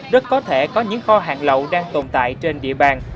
rất có thể có những kho hàng lậu đang tồn tại trên địa bàn